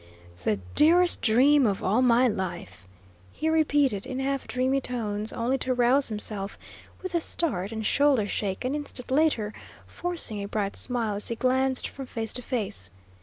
"The dearest dream of all my life!" he repeated, in half dreamy tones, only to rouse himself, with a a start and shoulder shake, an instant later, forcing a bright smile as he glanced from face to face.